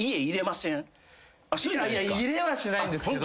いやいや入れはしないんですけど。